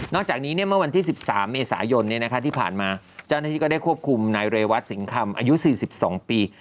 จากนี้เมื่อวันที่๑๓เมษายนที่ผ่านมาเจ้าหน้าที่ก็ได้ควบคุมนายเรวัตสิงคำอายุ๔๒ปี